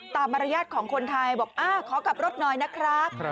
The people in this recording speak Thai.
มารยาทของคนไทยบอกขอกลับรถหน่อยนะครับ